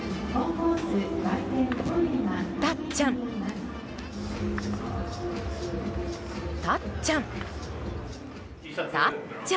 たっちゃん、たっちゃんたっちゃん。